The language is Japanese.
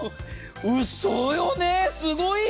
うそよね、すごいよ。